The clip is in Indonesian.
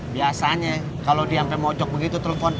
biasanya kalo diampe mojok begitu telepon